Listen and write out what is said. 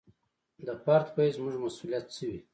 د فرد په حیث زموږ مسوولیت څه وي.